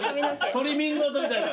トリミング後みたいな。